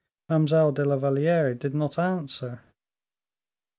Mademoiselle de la Valliere did not answer.